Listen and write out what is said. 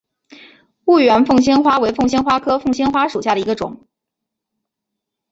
婺源凤仙花为凤仙花科凤仙花属下的一个种。